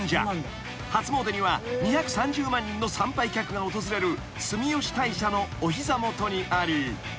初詣には２３０万人の参拝客が訪れる住吉大社のお膝元にあり］